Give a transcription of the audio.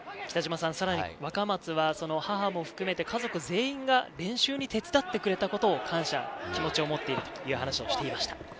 若松は母も含めて家族全員が練習を手伝ってくれたことへの感謝の気持ちを持っているという話をしていました。